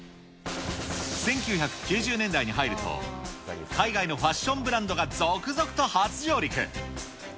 １９９０年代に入ると、海外のファッションブランドが続々と初上陸。